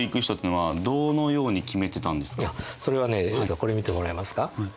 それはねこれ見てもらえますか。